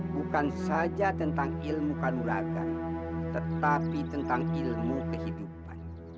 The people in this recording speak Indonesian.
bukan saja tentang ilmu kanurakan tetapi tentang ilmu kehidupan